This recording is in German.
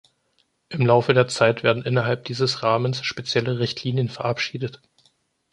Im Laufe der Zeit werden innerhalb dieses Rahmens spezielle Richtlinien verabschiedet.